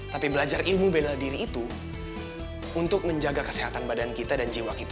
tapi belajar ilmu bela diri itu untuk menjaga kesehatan badan kita